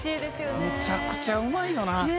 めちゃくちゃうまいよな。